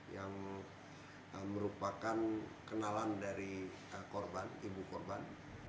yang merupakan kenalan dari korban ibu korban